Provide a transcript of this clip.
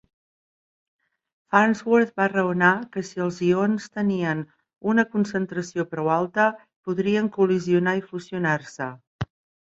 Farnsworth va raonar que si els ions tenien una concentració prou alta, podrien col·lisionar i fusionar-se.